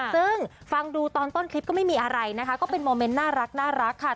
ซึ่งฟังดูตอนต้นคลิปก็ไม่มีอะไรนะคะก็เป็นโมเมนต์น่ารักค่ะ